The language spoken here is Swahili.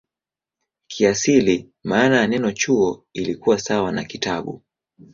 Kiasili maana ya neno "chuo" ilikuwa sawa na "kitabu".